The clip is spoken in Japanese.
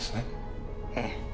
ええ。